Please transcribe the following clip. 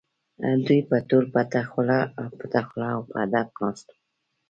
دوی به ټول پټه خوله او په ادب ناست وو.